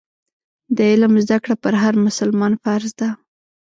د علم زده کړه پر هر مسلمان فرض ده.